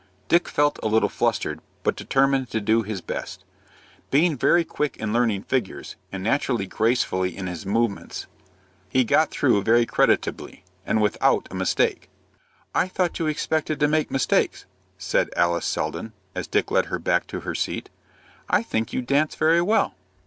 Dick felt a little flustered, but determined to do his best. Being very quick in learning figures, and naturally gracefully in his movements, he got through very creditably, and without a mistake. "I thought you expected to make mistakes," said Alice Selden, as Dick led her back to her seat. "I think you dance very well."